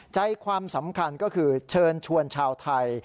ใจความสำคัญก็คือเชิญชวนชาวไทย